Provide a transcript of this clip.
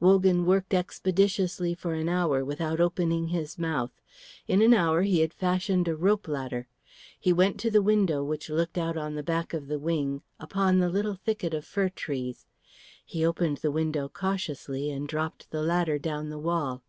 Wogan worked expeditiously for an hour without opening his mouth. In an hour he had fashioned a rope ladder. He went to the window which looked out on the back of the wing, upon the little thicket of fir trees. He opened the window cautiously and dropped the ladder down the wall.